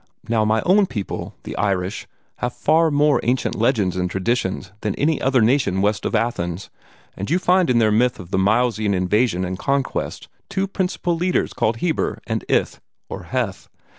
Now my own people, the Irish, have far more ancient legends and traditions than any other nation west of Athens; and you find in their myth of the Milesian invasion and conquest two principal leaders called Heber and Ith, or Heth.